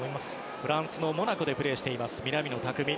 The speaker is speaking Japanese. フランスのモナコでプレーしています、南野拓実。